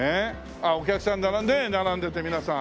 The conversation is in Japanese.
あっお客さん並んでて皆さん。